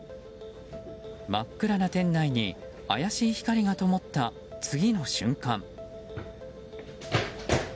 真っ暗な店内に怪しい光がともった次の瞬間。